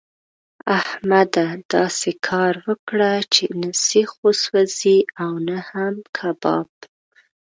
احمده! داسې کار وکړه چې نه سيخ وسوځي او نه هم کباب.